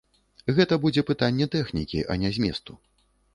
Гэта будзе пытанне тэхнікі, а не зместу.